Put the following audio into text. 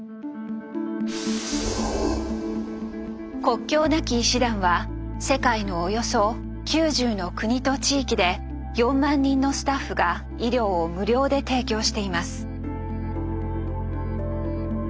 国境なき医師団は世界のおよそ９０の国と地域で４万人のスタッフが医療を無料で提供しています。